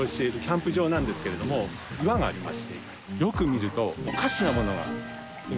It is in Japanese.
よく見ると。